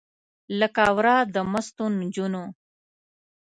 لکه ورا د مستو نجونو